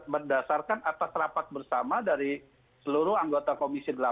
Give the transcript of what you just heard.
berdasarkan atas rapat bersama dari seluruh anggota komisi delapan